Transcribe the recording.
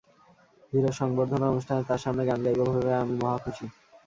হিরোর সংবর্ধনা অনুষ্ঠানে তাঁর সামনে গান গাইব ভেবে আমি মহা খুশি।